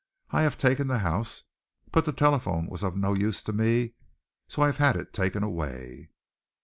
"I have taken the house, but the telephone was of no use to me, so I have had it taken away."